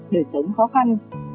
đời sống khó khăn